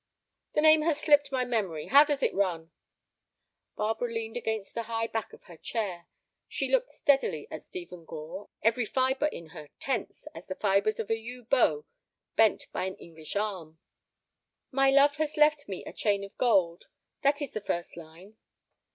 '" "The name has slipped my memory. How does it run?" Barbara leaned against the high back of her chair. She looked steadily at Stephen Gore, every fibre in her tense as the fibres of a yew bow bent by an English arm. "'My love has left me a chain of gold.' That is the first line."